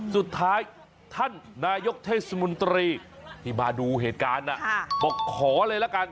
สุดท้ายท่านนายกเทศมนตรีที่มาดูเหตุการณ์บอกขอเลยละกัน